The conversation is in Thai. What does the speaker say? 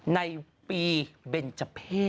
ในปีเบนเจอร์เพศ